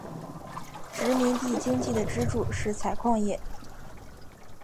殖民地经济的支柱是采矿业。